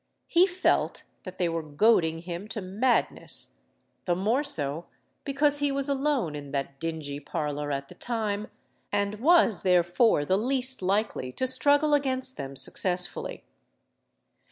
He felt that they were goading him to madness—the more so because he was alone in that dingy parlour at the time, and was therefore the least likely to struggle against them successfully.